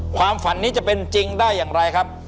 ความฝันนี้จะเป็นจริงได้อย่างไรครับ